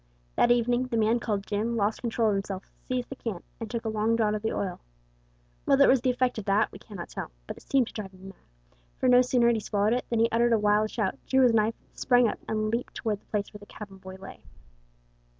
That evening the man called Jim lost control of himself, seized the can, and took a long draught of the oil. Whether it was the effect of that we cannot tell, but it seemed to drive him mad, for no sooner had he swallowed it than he uttered a wild shout, drew his knife, sprang up and leaped towards the place where the cabin boy lay.